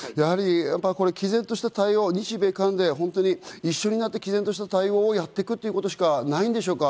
毅然とした対応、日米韓で一緒になって毅然とした対応をやっていくということしかないんでしょうか？